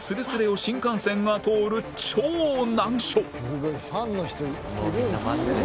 すごいファンの人いるんすね。